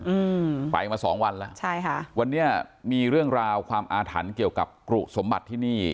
อืมไปมาสองวันแล้วใช่ค่ะวันนี้มีเรื่องราวความอาถรรพ์เกี่ยวกับกรุสมบัติที่นี่